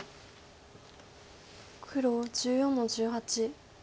黒１４の十八。